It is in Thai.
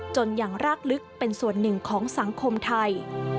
อย่างรากลึกเป็นส่วนหนึ่งของสังคมไทย